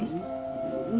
うん？